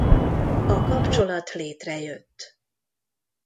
A kapcsolat létrejött.